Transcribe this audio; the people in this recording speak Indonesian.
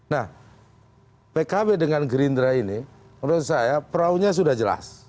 nah pkb dengan gerindra ini menurut saya peraunya sudah jelas